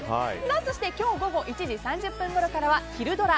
今日午後１時３０分ごろからはひるドラ！